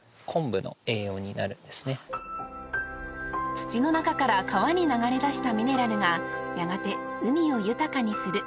［土の中から川に流れ出したミネラルがやがて海を豊かにする］